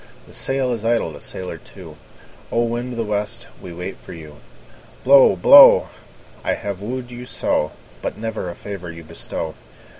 The sail is idle, the sailor too; O! wind of the west, we wait for you. Blow, blow! I have wooed you so, But never a favour you bestow.